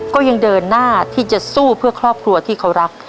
ก็ยังเดินหน้าที่จะสู้เพื่อครอบครัวที่เขารัก